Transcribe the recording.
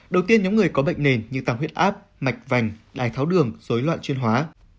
đầu tiên nhóm người có bệnh nền như tăng huyết áp mạch vành đai tháo đường dối loạn chuyển hóa